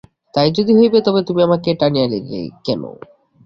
তাই যদি হইবে, তবে তুমি আমাকে টানিয়া আনিলে কেন।